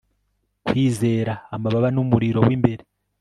Kwizera amababa numuriro wimbere